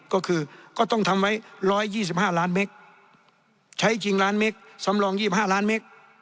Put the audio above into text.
ก็คือก็ต้องทำไว้ร้อยยี่สิบห้าร้านเมกใช้จริงล้านเมกสำรองยี่ห้าร้านเมก